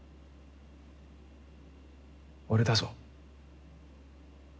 俺だぞ。